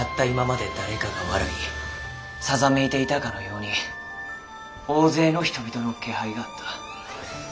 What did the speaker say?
今まで誰かが笑いさざめいていたかのように大勢の人々の気配があった。